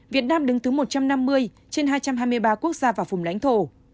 việt nam đứng thứ một trăm năm mươi trên hai trăm hai mươi ba quốc gia và vùng lãnh thổ